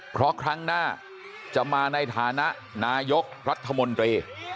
เพราะครั้งหน้าจะมาในฐานะนายกรัฐมนตรี